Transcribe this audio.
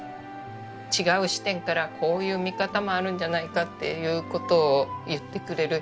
違う視点からこういう見方もあるんじゃないかっていう事を言ってくれる。